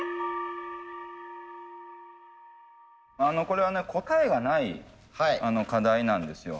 これはね答えがない課題なんですよ。